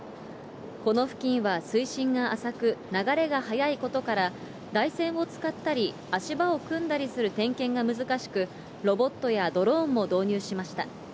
この付近は水深が浅く、流れが速いことから、台船を使ったり、足場を組んだりする点検が難しく、ロボットやドローンも導入しました。